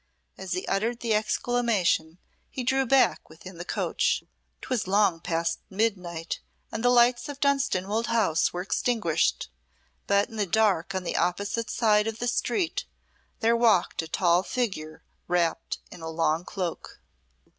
As he uttered the exclamation he drew back within the coach. 'Twas long past midnight and the lights of Dunstanwolde House were extinguished, but in the dark on the opposite side of the street there walked a tall figure wrapped in a long cloak.